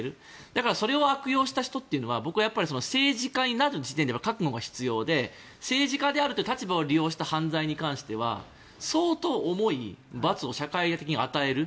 だからそれを与えられるという意味では僕は政治家になる時点では覚悟が必要で政治家であるという立場を利用した犯罪では、相当重い罰を社会的に与える。